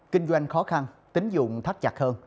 kinh doanh khó khăn tín dụng thắt chặt hơn